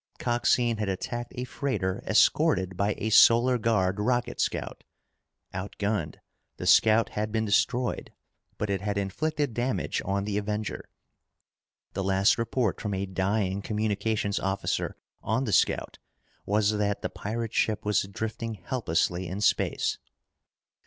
Coxine had attacked a freighter escorted by a Solar Guard rocket scout. Outgunned, the scout had been destroyed, but it had inflicted damage on the Avenger. The last report from a dying communications officer on the scout was that the pirate ship was drifting helplessly in space!